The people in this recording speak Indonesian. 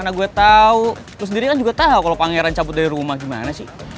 gimana gue tau lo sendiri kan juga tau kalo pangeran cabut dari rumah gimana sih